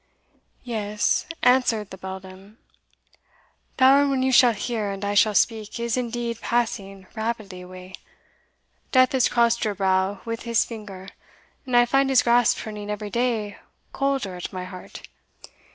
"Yes," answered the beldam, "the hour when you shall hear, and I shall speak, is indeed passing rapidly away. Death has crossed your brow with his finger, and I find his grasp turning every day coulder at my heart.